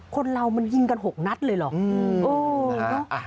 คนเรามันยิงกัน๖นัดเลยเหรอ